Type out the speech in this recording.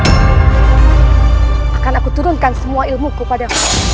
akan aku turunkan semua ilmuku padamu